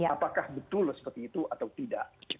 apakah betul seperti itu atau tidak